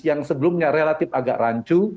yang sebelumnya relatif agak rancu